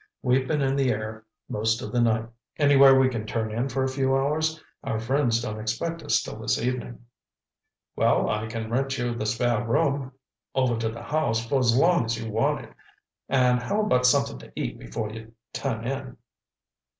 We've been in the air most of the night. Anywhere we can turn in for a few hours? Our friends don't expect us till this evening." "Well, I can rent you the spare room over to the house for as long as you want it. And how about something to eat before you turn in?"